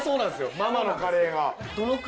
ママのカレーが。